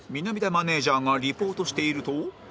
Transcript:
南田マネージャーがリポートしていると